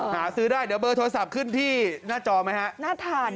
หาซื้อได้เดี๋ยวเบอร์โทรศัพท์ขึ้นที่หน้าจอไหมฮะน่าทาน